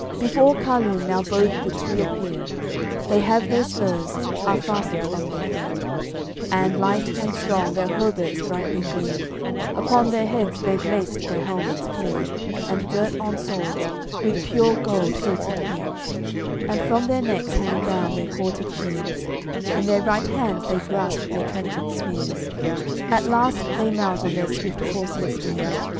Before Carlun now both the two appear: They have their spurs, are fastened on their feet, And, light and strong, their hauberks brightly gleam; Upon their heads they've laced their helmets clear, And girt on swords, with pure gold hilted each; And from their necks hang down their quartered shields; In their right hands they grasp their trenchant spears. At last they mount on their swift coursing steeds.